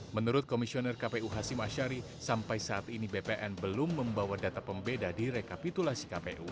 menurut komisioner kpu hasim ashari sampai saat ini bpn belum membawa data pembeda di rekapitulasi kpu